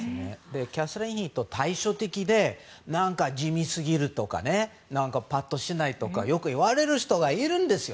キャサリン妃と対照的で何か地味すぎるとかパッとしないとかよく言われる人がいるんですよ。